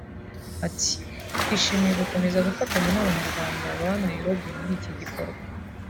Ati “Twishimiye gukomeza gufatanya n’Abanyarwanda baba Nairobi muri iki gikorwa